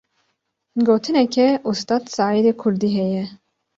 Gotineke Ustad Saîdê Kurdî heye.